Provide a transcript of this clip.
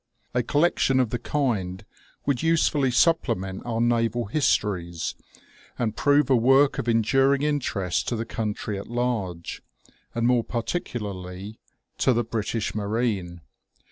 A collection of the kind would usefully supplement our naval histories, and prove a work of enduring interest to the country at large, and more particularly to the British marine.